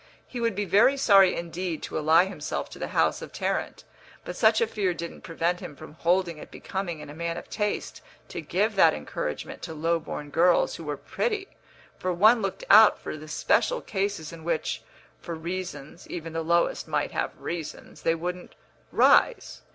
He would be very sorry indeed to ally himself to the house of Tarrant; but such a fear didn't prevent him from holding it becoming in a man of taste to give that encouragement to low born girls who were pretty, for one looked out for the special cases in which, for reasons (even the lowest might have reasons), they wouldn't "rise."